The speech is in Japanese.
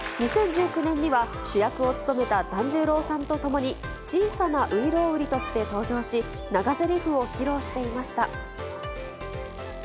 ２０１９年には、主役を務めた團十郎さんと共に、小さな外郎売として登場し、長ぜりふを披露していました。